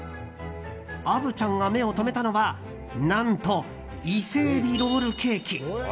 虻ちゃんが目をとめたのは何と、伊勢えびロールケーキ。